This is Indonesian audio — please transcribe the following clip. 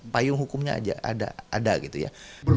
payung hukumnya aja ada gitu ya